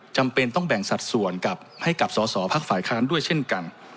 จำเป็นต้องแบ่งสัดส่วนกับให้กับสอสอพักฝ่ายค้านด้วยเช่นกัน